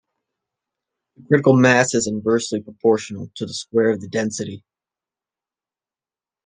The critical mass is inversely proportional to the square of the density.